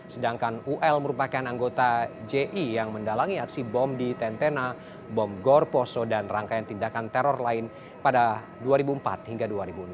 sedangkan ul merupakan anggota ji yang mendalangi aksi bom di tentena bom gorposo dan rangkaian tindakan teror lain pada dua ribu empat hingga dua ribu enam